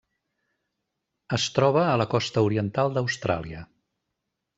Es troba a la costa oriental d'Austràlia.